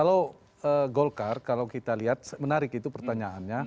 kalau golkar kalau kita lihat menarik itu pertanyaannya